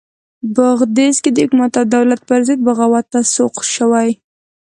بغدیس کې د حکومت او دولت پرضد بغاوت ته سوق شوي.